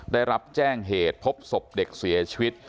ได้รับแจ้งเหตุพบศพเด็กเสียชีวิต